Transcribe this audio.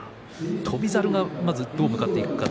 翔猿が、まずどう向かっていくか。